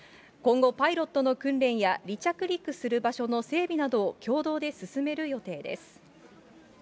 今後、パイロットの訓練や、離着陸する場所の整備などを共同で進める予定です。